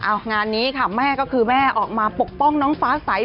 เอางานนี้ค่ะแม่ก็คือแม่ออกมาปกป้องน้องฟ้าใส